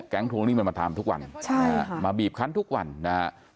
ทวงหนี้มันมาทำทุกวันมาบีบคันทุกวันนะฮะ